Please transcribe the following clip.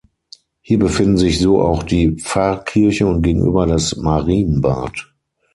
Hier befinden sich so auch die Pfarrkirche und gegenüber das Marienbad.